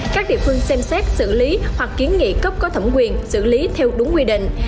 các địa phương xem xét xử lý hoặc kiến nghị cấp có thẩm quyền xử lý theo đúng quy định